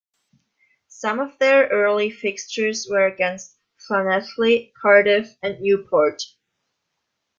Some of their early fixtures were against Llanelli, Cardiff and Newport.